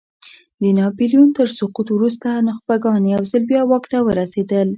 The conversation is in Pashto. د ناپیلیون تر سقوط وروسته نخبګان یو ځل بیا واک ته ورسېدل.